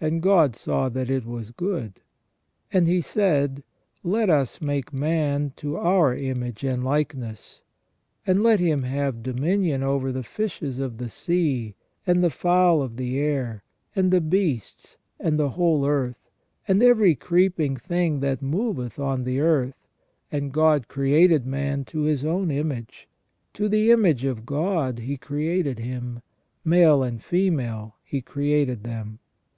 And God saw that it was good. And He said : Let us make man to our image and likeness ; and let him have dominion over the fishes of the sea, and the fowls of the air, and the beasts, and the whole earth, and every creeping thing that moveth on the earth. And God created man to His own image ; to the image of God He created him : male and female He created them.